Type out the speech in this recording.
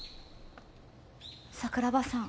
桜庭さん。